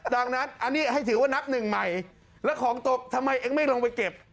ดังนั้นอันนี้ให้ถือว่านับหนึ่งใหม่แล้วของตกทำไมเองไม่ลงไปเก็บ